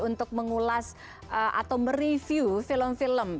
untuk mengulas atau mereview film film